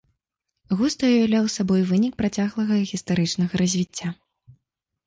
Густ уяўляе сабой вынік працяглага гістарычнага развіцця.